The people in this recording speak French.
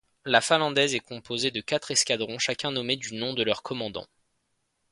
La finlandaise est composée de quatre escadrons, chacun nommé du nom de leur commandant.